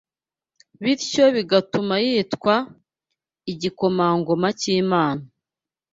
bityo bigatuma yitwa “igikomangoma cy’Imana.”